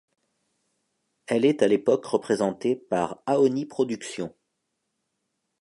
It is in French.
Elle est à l'époque représentée par Aoni Production.